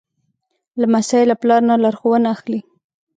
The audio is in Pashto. لمسی له پلار نه لارښوونه اخلي.